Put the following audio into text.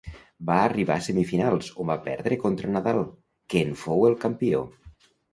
Va arribar fins a semifinals on va perdre contra Nadal, que en fou el campió.